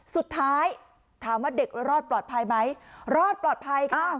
สุดท้ายถามว่าเด็กรอดปลอดภัยไหมรอดปลอดภัยค่ะ